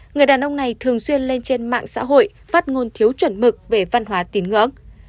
người đàn ông này thường xuyên lên trên mạng xã hội phát ngôn thiếu chuẩn mực về văn hóa tín ngưỡng